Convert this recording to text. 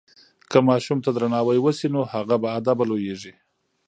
که ماشوم ته درناوی وسي نو هغه باادبه لویېږي.